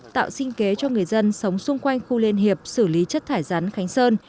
tạo sinh kế cho người dân sống xung quanh khu liên hiệp xử lý chất thải rắn khánh sơn